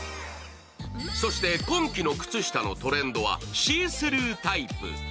そして今季の靴下のトレンドはシースルータイプ。